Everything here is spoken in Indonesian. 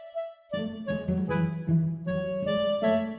susah gue kabur